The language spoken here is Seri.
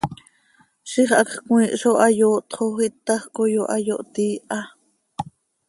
Ziix hacx cmiih zo hayooht xo ítajc coi oo hayooht iiha.